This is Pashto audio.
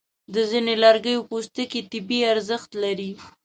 د ځینو لرګیو پوستکي طبي ارزښت لري.